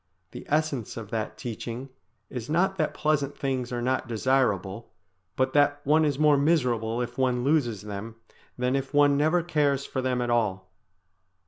The essence of that teaching is not that pleasant things are not desirable, but that one is more miserable if one loses them than if one never cares for them at all.